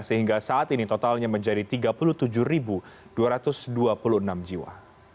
sehingga saat ini totalnya menjadi tiga puluh tujuh dua ratus dua puluh enam jiwa